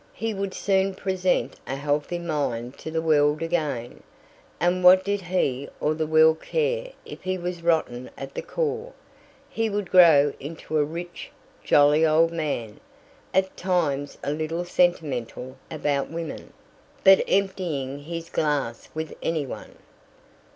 He would soon present a healthy mind to the world again, and what did he or the world care if he was rotten at the core? He would grow into a rich, jolly old man, at times a little sentimental about women, but emptying his glass with anyone.